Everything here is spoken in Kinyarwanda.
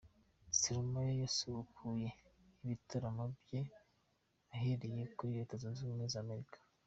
Stromae yasubukuye ibitaramo bye ahereye muri Leta Zunze ubumwe za Amerika.